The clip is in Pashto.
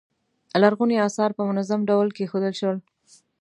لرغوني اثار په منظم ډول کیښودل شول.